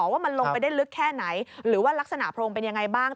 ว่ามันลงไปได้ลึกแค่ไหนหรือว่ารักษณโพรงเป็นยังไงบ้าง